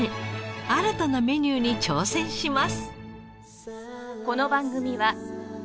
新たなメニューに挑戦します。